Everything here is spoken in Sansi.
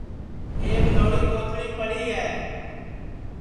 ایک لھوڑی کوتھݪی پڑی ہے